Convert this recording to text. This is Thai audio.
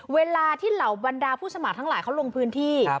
เวลาที่เหล่าบรรดาผู้สมัครทั้งหลายเขาลงพื้นที่